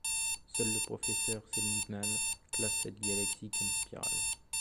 Seul le professeur Seligman classe cette galaxie comme spirale.